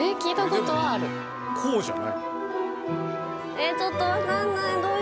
えっちょっとわかんない。